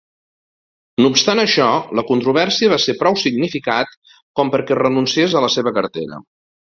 No obstant això, la controvèrsia va ser prou significat com per a que renuncies a la seva cartera.